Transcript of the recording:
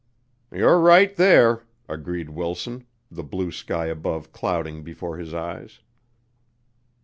"You're right there," agreed Wilson, the blue sky above clouding before his eyes.